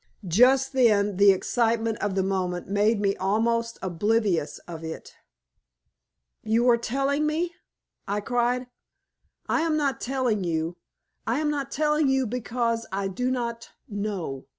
Just then the excitement of the moment made me almost oblivious of it. "You are telling me!" I cried. "I am not telling you; I am not telling you because I do not know.